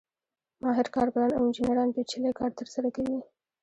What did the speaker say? ماهر کارګران او انجینران پېچلی کار ترسره کوي